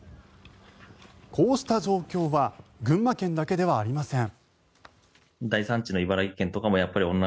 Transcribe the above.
こうした状況は群馬県だけではありません。